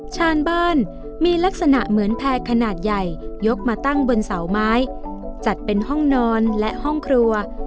ชานบ้านมีลักษณะเหมือนแพร่ขนาดใหญ่ยกมาตั้งบนเสาไม้จัดเป็นห้องนอนและห้องครัว